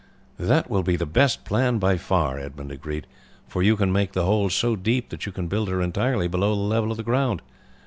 "That will be the best plan by far," Edmund agreed, "for you can make the hole so deep that you can build her entirely below the level of the ground.